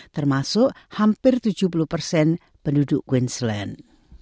termasuk hampir tujuh puluh persen penduduk queensland